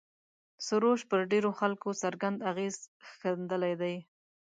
سروش پر ډېرو خلکو څرګند اغېز ښندلی دی.